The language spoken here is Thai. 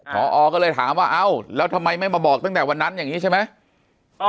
พอก็เลยถามว่าเอ้าแล้วทำไมไม่มาบอกตั้งแต่วันนั้นอย่างนี้ใช่ไหม